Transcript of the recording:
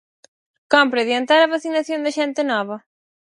Cómpre adiantar a vacinación da xente nova?